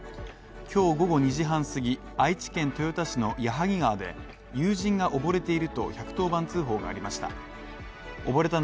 今日午後２時半すぎ、愛知県豊田市の矢作川で、友人が溺れていると１１０番通報がありました。